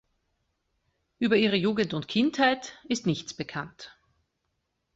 Über ihre Jugend und Kindheit ist nichts bekannt.